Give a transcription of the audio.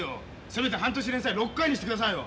せめて半年連載６回にしてくださいよ。